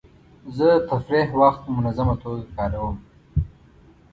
زه د تفریح وخت په منظمه توګه کاروم.